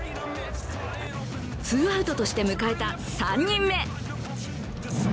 ツーアウトとして迎えた３人目。